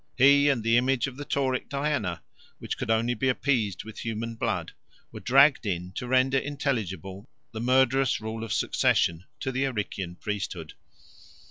He and the image of the Tauric Diana, which could only be appeased with human blood, were dragged in to render intelligible the murderous rule of succession to the Arician priesthood.